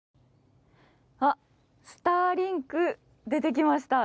あ、スターリンク出てきました。